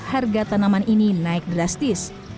harga tanaman ini naik drastis